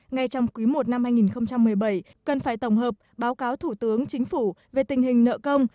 ngay trong quý i năm hai nghìn một mươi bảy cần phải tổng hợp báo cáo thủ tướng chính phủ về tình hình nợ công